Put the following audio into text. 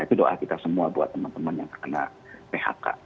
itu doa kita semua buat teman teman yang terkena phk